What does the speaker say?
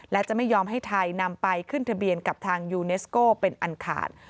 และจะไม่ยอมให้ไทยนำไปขึ้นทะเบียนกับทางยูเนสโก้เป็นอันขาด